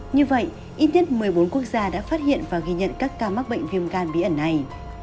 như vậy ít nhất một mươi bốn quốc gia đã phát hiện và ghi nhận các ca mắc bệnh viêm gan bí ẩn này